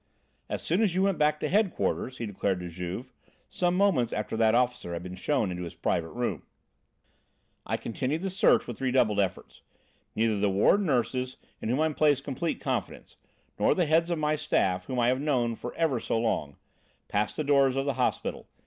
"As soon as you went back to headquarters," he declared to Juve, some moments after that officer had been shown into his private room, "I continued the search with redoubled efforts. Neither the ward nurses, in whom I place complete confidence, nor the heads of my staff, whom I have known for ever so long, passed the doors of the hospital.